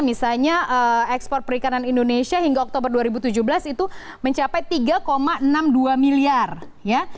misalnya ekspor perikanan indonesia hingga oktober dua ribu tujuh belas itu mencapai tiga enam puluh dua miliar ya